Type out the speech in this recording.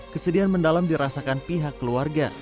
kesedihan mendalam dirasakan pihak keluarga